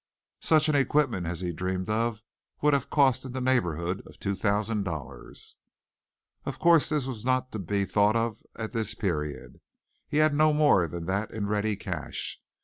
Such an equipment as he dreamed of would have cost in the neighborhood of two thousand dollars. Of course this was not to be thought of at this period. He had no more than that in ready cash.